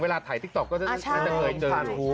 ผ่านหู